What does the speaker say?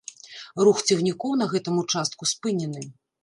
Рух цягнікоў на гэтым участку спынены.